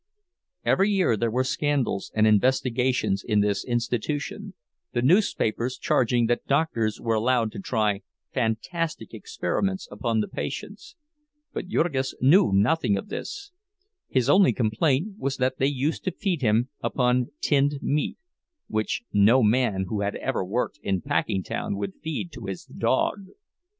Every year there were scandals and investigations in this institution, the newspapers charging that doctors were allowed to try fantastic experiments upon the patients; but Jurgis knew nothing of this—his only complaint was that they used to feed him upon tinned meat, which no man who had ever worked in Packingtown would feed to his dog.